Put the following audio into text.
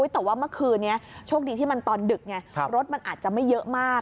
แต่ว่าเมื่อคืนนี้โชคดีที่มันตอนดึกไงรถมันอาจจะไม่เยอะมาก